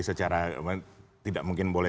secara tidak mungkin boleh